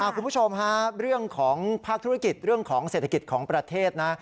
คุณผู้ชมฮะเรื่องของภาคธุรกิจเรื่องของเศรษฐกิจของประเทศนะ